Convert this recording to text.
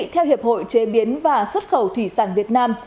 theo hiệp hội chế biến và xuất khẩu thủy sản việt nam